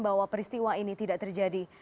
bahwa peristiwa ini tidak terjadi